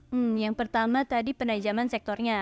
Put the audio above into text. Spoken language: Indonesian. hmm yang pertama tadi penajaman sektornya